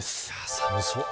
寒そう。